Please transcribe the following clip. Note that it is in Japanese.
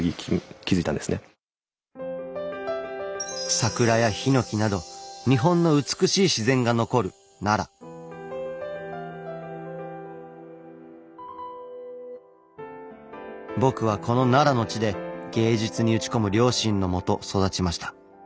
桜や檜など日本の美しい自然が残る僕はこの奈良の地で芸術に打ち込む両親のもと育ちました。